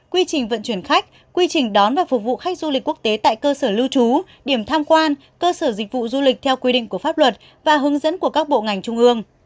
quy trình vận chuyển khách quy trình đón và phục vụ khách du lịch quốc tế tại cơ sở lưu trú điểm tham quan cơ sở dịch vụ du lịch theo quy định của pháp luật và hướng dẫn của các bộ ngành trung ương